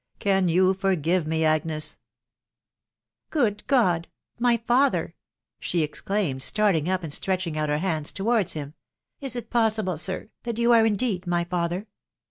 ... Can you forgive me, Agnes ?"" Good God !.... My father !" she exclaimed, starting up, and 'stretching out her hands towards him. " Is it possible, sir, that you are indeed my father